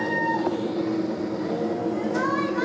すごい！何？